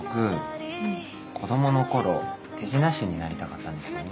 子供の頃手品師になりたかったんですよね。